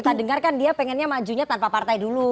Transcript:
yang kita dengar kan dia pengennya majunya tanpa partai dulu